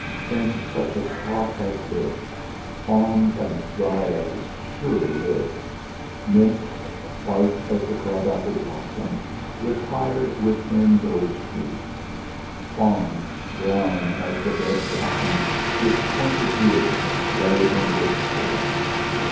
In such a spot as this, fauns and dryads surely lived; nymphs, white as the crab apple blossom, retired within those trees; fauns, brown as the dead bracken, with pointed ears, lay in wait for them.